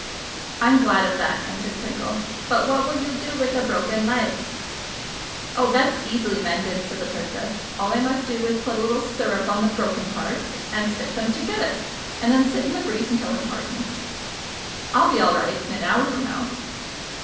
"I'm glad of that," answered Twinkle; "but what will you do with a broken leg?" "Oh, that's easily mended," said the Princess, "All I must do is to put a little syrup on the broken parts, and stick them together, and then sit in the breeze until it hardens. I'll be all right in an hour from now."